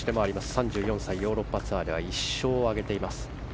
３３歳、ヨーロッパツアーでは１勝を挙げています。